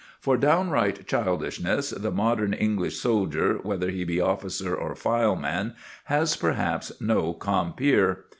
For downright childishness the modern English soldier, whether he be officer or file man, has perhaps no compeer.